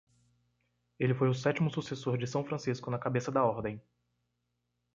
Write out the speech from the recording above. Ele foi o sétimo sucessor de São Francisco na cabeça da ordem.